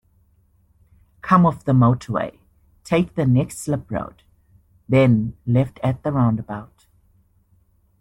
Come off the motorway, take the next slip-road, then left at the roundabout